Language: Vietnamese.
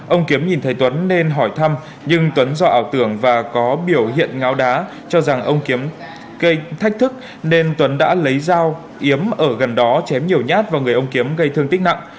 ông kiếm nhìn thấy tuấn nên hỏi thăm nhưng tuấn dọa tưởng và có biểu hiện ngáo đá cho rằng ông kiếm gây thách thức nên tuấn đã lấy dao yếm ở gần đó chém nhiều nhát vào người ông kiếm gây thương tích nặng